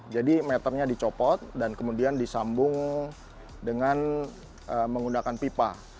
jadi meternya dicopot dan kemudian disambung dengan menggunakan pipa